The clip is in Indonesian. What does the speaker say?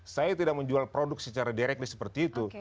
saya tidak menjual produk secara directly seperti itu